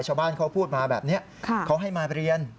ชาวบ้านเขาพูดมาแบบนี้เขาให้มาเรียน